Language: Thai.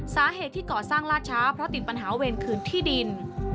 สาเหตุที่ก่อสร้างลาดช้าเพราะติดปัญหาเวรคืนที่ดิน